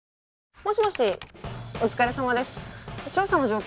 もしもしお疲れさまです調査の状況